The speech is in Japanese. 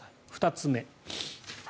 ２つ目。